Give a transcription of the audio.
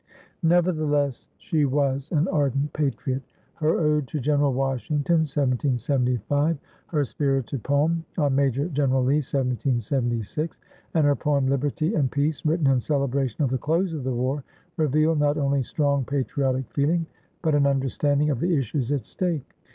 Nevertheless, she was an ardent patriot. Her ode to General Washington (1775), her spirited poem, "On Major General Lee" (1776) and her poem, "Liberty and Peace," written in celebration of the close of the war, reveal not only strong patriotic feeling but an understanding of the issues at stake.